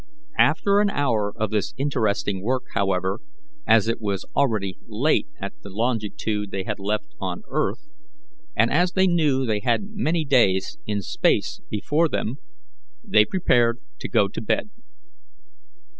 After an hour of this interesting work, however, as it was already late at the longitude they had left on earth, and as they knew they had many days in space before them, they prepared to go to bed.